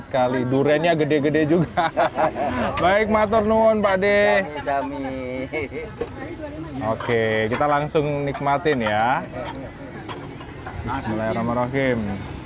sekali duriannya gede gede juga baik maturnu on pade oke kita langsung nikmatin ya bismillahirrahmanirrahim